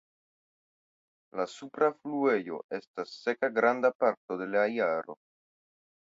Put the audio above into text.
La supra fluejo estas seka granda parto de la jaro.